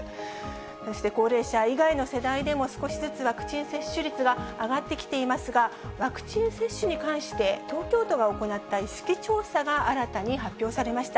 そして高齢者以外の世代でも、少しずつワクチン接種率は上がってきていますが、ワクチン接種に関して、東京都が行った意識調査が新たに発表されました。